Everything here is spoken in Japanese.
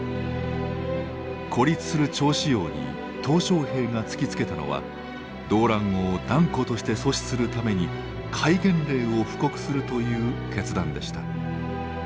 孤立する趙紫陽に小平が突きつけたのは動乱を断固として阻止するために戒厳令を布告するという決断でした。